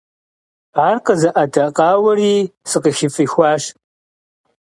Ар къызэӀэдэкъауэри сыкъыхыфӀихуащ.